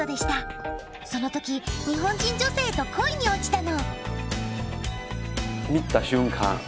その時日本人女性と恋に落ちたの。